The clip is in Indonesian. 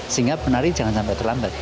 sehingga penari jangan sampai terlambat